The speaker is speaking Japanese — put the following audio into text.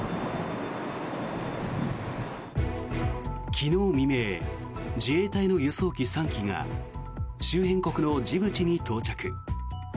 昨日未明、自衛隊の輸送機３機が周辺国のジブチに到着。